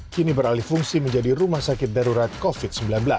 kini beralih fungsi menjadi rumah sakit darurat covid sembilan belas